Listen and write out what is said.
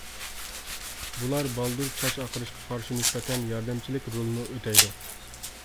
بۇلار بالدۇر چاچ ئاقىرىشقا قارشى نىسبەتەن ياردەمچىلىك رولنى ئۆتەيدۇ.